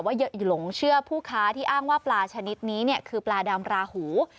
ว่าเยอะหยุดหลงเชื่อผู้ค้าที่อ้างว่าปลาชนิดนี้เนี่ยคือปลาดำปลาหู